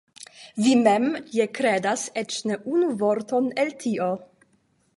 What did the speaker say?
Vi mem ja kredas eĉ ne unu vorton el tio.